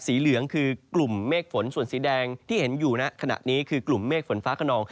เหลืองคือกลุ่มเมฆฝนส่วนสีแดงที่เห็นอยู่นะขณะนี้คือกลุ่มเมฆฝนฟ้าขนอง